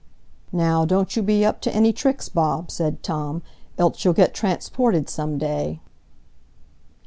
"Now, don't you be up to any tricks, Bob," said Tom, "else you'll get transported some day."